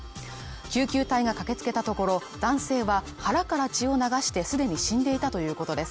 救急隊が駆けつけたところ、男性は腹から血を流して既に死んでいたということです。